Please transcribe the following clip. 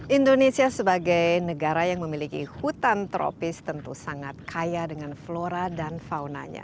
indonesia sebagai negara yang memiliki hutan tropis tentu sangat kaya dengan flora dan faunanya